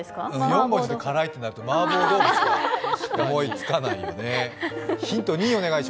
４文字で辛いってなるとマーボー豆腐しか思いつかないね。